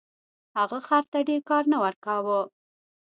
هغه خر ته ډیر کار نه ورکاوه.